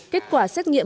kết quả xét nghiệm